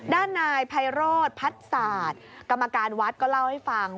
ด้านนายไพโรธพัฒนศาสตร์กรรมการวัดก็เล่าให้ฟัง